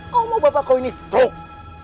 kok mau bapak kau ini stroke